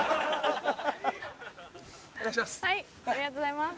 お願いします。